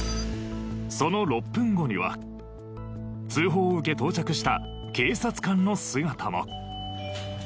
その６分後には通報を受け到着した警察官の姿も。